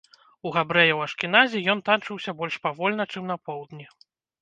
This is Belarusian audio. У габрэяў-ашкеназі ён танчыўся больш павольна, чым на поўдні.